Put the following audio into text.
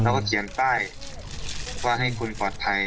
แล้วก็เตรียมป้ายว่าให้คุณปลอดภัย